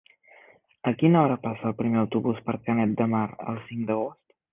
A quina hora passa el primer autobús per Canet de Mar el cinc d'agost?